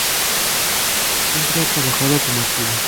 Siempre ha trabajado como activo.